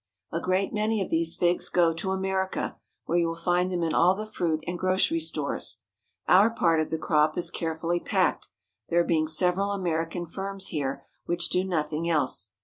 A great many of these figs go to America, where you will find them in all the fruit and grocery stores. Our part of the crop is carefully packed, there being several American firms here which do nothing else.